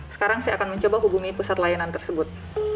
sekarang saya akan mencoba hubungi pusat layanan tersebut